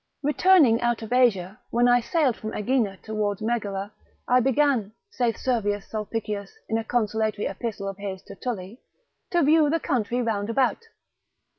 Returning out of Asia, when I sailed from Aegina toward Megara, I began (saith Servius Sulpicius, in a consolatory epistle of his to Tully) to view the country round about.